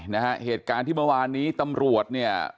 นะฮะเหตุการณ์ที่เมื่อวานนี้ตำรวจเนี่ย